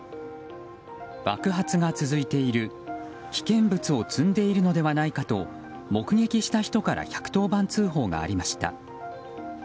爆発が続いている、危険物を積んでいるのではないかと目撃した人から１１０番通報がありました。